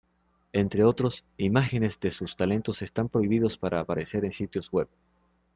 Entre otros, imágenes de sus talentos están prohibidos para aparecer en sitios web.